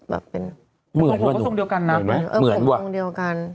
แบบเป็นเหมือนของผมก็ทรงเดียวกันนะเหมือนทรงเดียวกัน